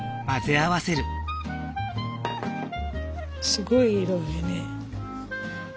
すごい色やね。